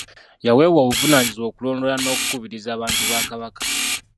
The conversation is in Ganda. Yaweebwa obuvunaanyizibwa okulondoola n’okukubiriza abantu ba Kabaka.